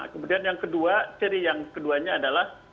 kemudian yang kedua ciri yang keduanya adalah